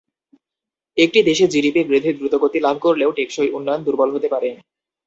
একটি দেশে জিডিপি বৃদ্ধি দ্রুতগতি লাভ করলেও টেকসই উন্নয়ন দুর্বল হতে পারে।